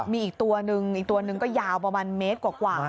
มีอีกตัวนึงอีกตัวนึงก็ยาวประมาณเมตรกว่า